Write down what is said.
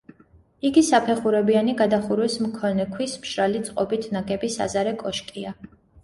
იგი საფეხურებიანი გადახურვის მქონე, ქვის მშრალი წყობით ნაგები საზარე კოშკია.